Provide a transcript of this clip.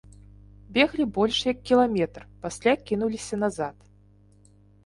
Беглі больш як кіламетр, пасля кінуліся назад.